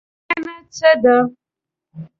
ښېګڼه څه ده؟